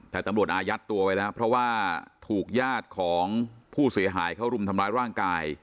แต่ตำรวจอายัดตัวไว้แล้วเพราะว่าถูกญาติของผู้เสียหายเขารุมทำร้ายร่างกาย